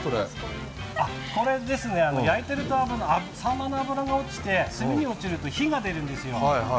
これ、焼いてると、さんまの脂が落ちて炭に落ちると火が出るんですよ。